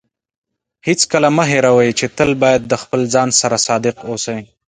هیڅکله مه هېروئ چې تل باید د خپل ځان سره صادق اوسئ.